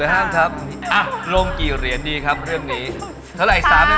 เขายังไม่เรียกใช้ปริศนีการแล้วเราไปยิ้ม